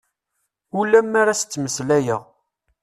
Ula mi ara as-ttmeslayeɣ.